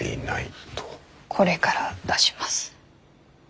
これから出します。